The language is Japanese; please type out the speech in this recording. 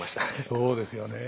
そうですよね。